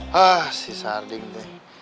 hah si sarding deh